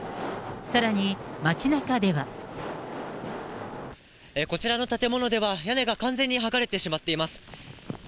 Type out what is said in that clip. さらに、こちらの建物では、屋根が完全に剥がれてしまっています。